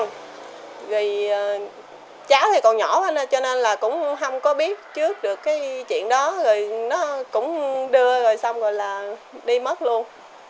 rồi cháu thì còn nhỏ cho nên là cũng không có biết trước được cái chuyện đó rồi nó cũng đưa rồi xong rồi là đi mất luôn